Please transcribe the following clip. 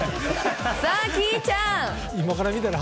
さあ、稀唯ちゃん。